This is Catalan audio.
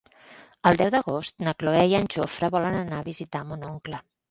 El deu d'agost na Cloè i en Jofre volen anar a visitar mon oncle.